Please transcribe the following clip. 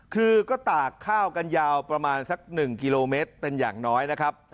คือก็ตากข้าวกันยาวประมาณสัก๑กิโลเมตรเป็นอย่างน้อยนะครับ